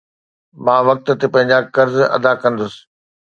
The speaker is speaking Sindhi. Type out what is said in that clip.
مان وقت تي پنهنجا قرض ادا ڪندس